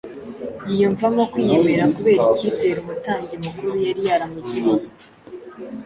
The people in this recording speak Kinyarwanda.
yiyumvamo kwiyemera kubera icyizere umutambyi mukuru yari yaramugiriye.